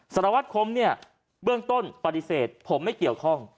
สารวัตรคมเนี่ยเบื้องต้นปฏิเสธผมไม่เกี่ยวข้อง